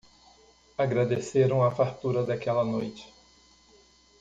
Agradeceram a fartura daquela noite